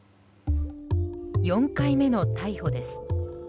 ４回目の逮捕です。